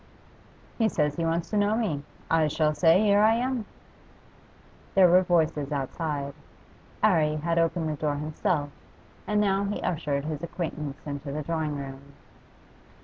'He says he wants to know me. I shall say, "Here I am."' There were voices outside. 'Arry had opened the door himself, and now he ushered his acquaintance into the drawing room.